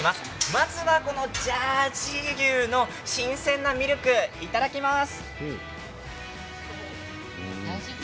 まずは、このジャージー牛の新鮮なミルク、いただきます。